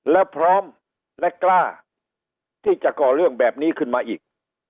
และพร้อมและกล้าที่จะก่อเรื่องแบบนี้ขึ้นมาอีก